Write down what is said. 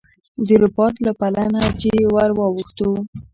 د رباط له پله نه چې ور واوښتو.